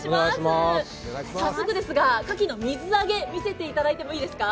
早速ですが、かきの水揚げ、見せていただいてもいいですか？